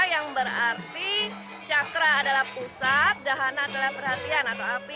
yang berarti cakra adalah pusat dahana adalah perhatian atau api